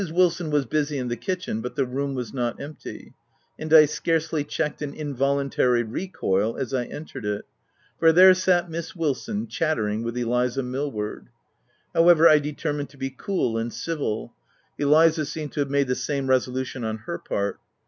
Wilson was busy in the kitchen, but the room was not empty ; and I scarcely checked an involuntary recoil as I entered it ; for there sat Miss Wilson chatter ing with Eliza Millward. However, I deter mined to be cool and civil. Eliza seemed to have made the same resolution on her part.